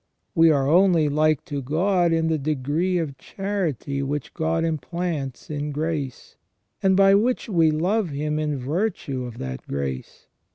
We are only like to God in the degree of charity which God implants in grace, and by which we love Him in virtue of that grace.